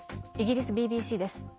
イギリスＢＢＣです。